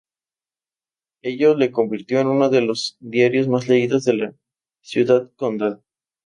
Ello le convirtió en uno de los diarios más leídos de la ciudad condal.